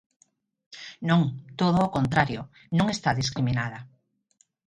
Non, todo o contrario, non está discriminada.